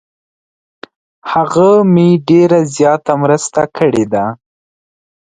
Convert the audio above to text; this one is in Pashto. هغه مې ډیر زیاته مرسته کړې ده.